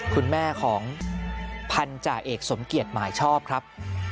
คุณแม่ของพันธาเอกสมเกียจหมายชอบครับ